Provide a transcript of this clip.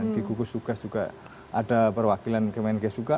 di gugus tugas juga ada perwakilan kemenkes juga